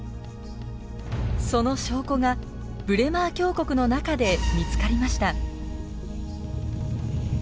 その証拠がブレマー峡谷の中で見つかりました。